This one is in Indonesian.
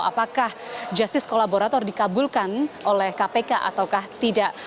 apakah justice kolaborator dikabulkan oleh kpk ataukah tidak